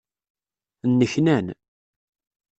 Nneknan.